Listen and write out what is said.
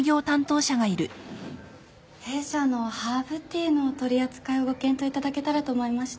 弊社のハーブティーのお取り扱いをご検討いただけたらと思いまして。